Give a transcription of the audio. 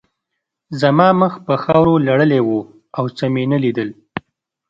زما مخ په خاورو لړلی و او څه مې نه لیدل